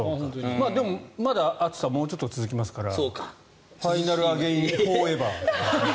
でもまだ暑さはもうちょっと続きますからファイナルアゲインフォーエバー。